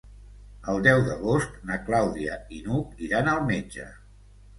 El deu d'agost na Clàudia i n'Hug iran al metge.